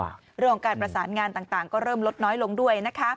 เรื่องของการประสานงานต่างก็เริ่มลดน้อยลงด้วยนะคะ